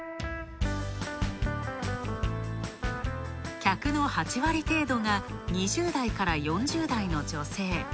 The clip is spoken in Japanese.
客の８割程度が、２０代から４０代の女性。